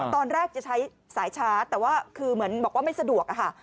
ตอนแรกจะใช้สายชาร์จแต่ว่าคือเหมือนบอกว่าไม่สะดวกอะค่ะ